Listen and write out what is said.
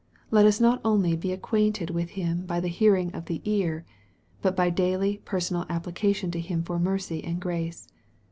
Let us not only be acquainted with Him by the hearing of the ear, but by daily personal application to Him for mercy and grace.